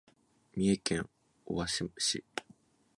三重県尾鷲市